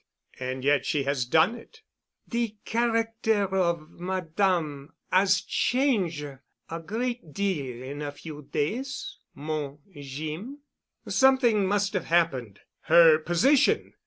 "And yet she has done it——" "De character of Madame 'as change' a great deal in a few days, mon Jeem." "Something must have happened. Her position!